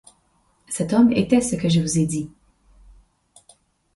Cet homme était ce que je vous ai dit.